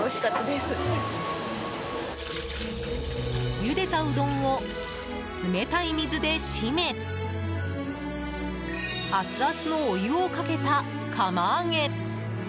ゆでたうどんを冷たい水で締めアツアツのお湯をかけた、釜揚げ。